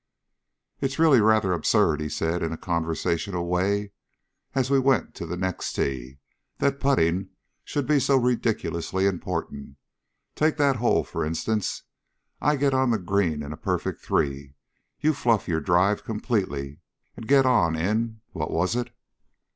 "It's really rather absurd," he said, in a conversational way, as we went to the next tee, "that putting should be so ridiculously important. Take that hole, for instance. I get on the green in a perfect three; you fluff your drive completely and get on in what was it?"